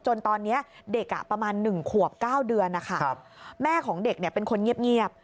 จนตอนนี้เด็กประมาณ๑ขวบ๙เดือนนะคะแม่ของเด็กเป็นคนเงียบ